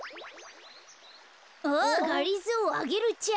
あがりぞーアゲルちゃん。